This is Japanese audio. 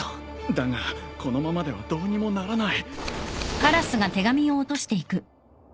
だがこのままではどうにもならない。